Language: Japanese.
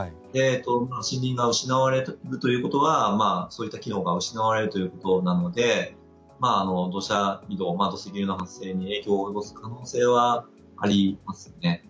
森林が失われるということはそういった機能が失われるということなので土砂移動、土石流の発生に影響を及ぼす可能性はありますね。